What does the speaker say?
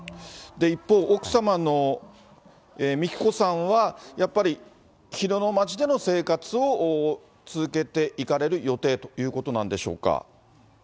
一方、奥様の美喜子さんはやっぱり、広野町での生活を続けていかれる予定ということなんでし